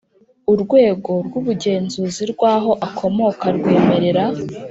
Urwego rw ubugenzuzi rw aho akomoka rwemerera